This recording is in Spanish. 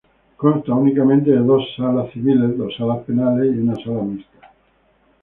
Consta únicamente de dos Salas Civiles, dos Salas Penales y una Sala Mixta.